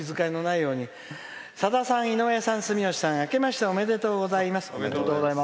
「さださん、住吉さん、井上さんあけましておめでとうございます。